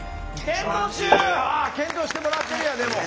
検討してもらってるやんでも。